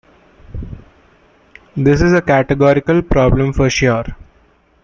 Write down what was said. This is a categorical problem for sure.